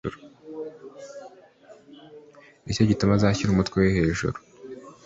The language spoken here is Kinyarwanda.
Ni cyo gituma azashyira umutwe we hejuru.